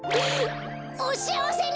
おしあわせに！